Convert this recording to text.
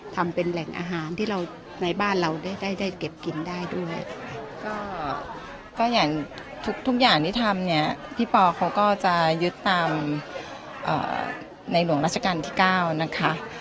ทำเป็นแหล่งอาหารที่เราในบ้านเราได้ได้เก็บกินได้ด้วยก็อย่างทุกทุกอย่างที่ทำเนี่ยพี่ปอเขาก็จะยึดตามในหลวงราชการที่เก้านะคะ